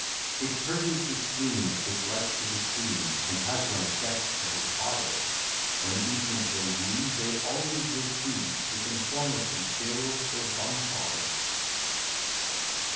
It purges the spleen Of dislike to the queen, And has one effect that is odder; When easement they use, They always will chuse The Conformity Bill for bumfodder.